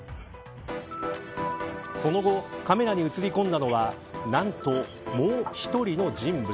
その後、カメラに映り込んだのは何と、もう１人の人物。